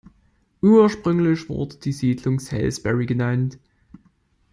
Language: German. Ursprünglich wurde die Siedlung Salisbury genannt.